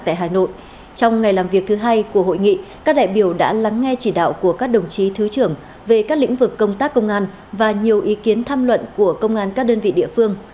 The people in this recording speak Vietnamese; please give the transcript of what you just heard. trong ngày làm việc thứ hai của hội nghị các đại biểu đã lắng nghe chỉ đạo của các đồng chí thứ trưởng về các lĩnh vực công tác công an và nhiều ý kiến tham luận của công an các đơn vị địa phương